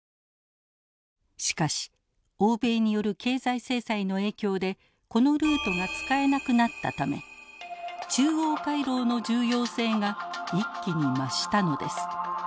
しかし欧米による経済制裁の影響でこのルートが使えなくなったため中央回廊の重要性が一気に増したのです。